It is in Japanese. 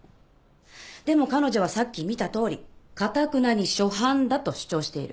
でも彼女はさっき見たとおりかたくなに初犯だと主張している。